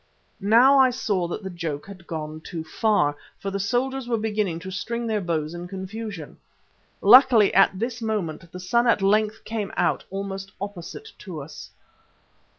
Now I saw that the joke had gone too far, for the soldiers were beginning to string their bows in confusion. Luckily at this moment, the sun at length came out almost opposite to us.